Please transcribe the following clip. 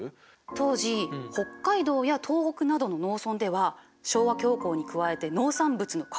当時北海道や東北などの農村では昭和恐慌に加えて農産物の価格が暴落したの。